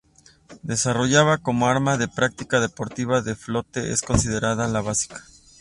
Desarrollada como arma de práctica y deportiva, el florete es considerada la básica.